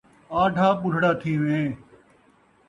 آڈھا ٻُڈھڑا تھیویں